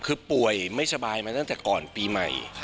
คือป่วยไม่สบายมาตั้งแต่ก่อนปีใหม่